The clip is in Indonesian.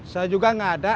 saya juga nggak ada